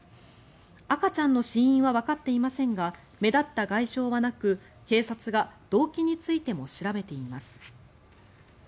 赤ちゃんの死因はわかっていませんが目立った外傷はなく警察が動機についても調べています。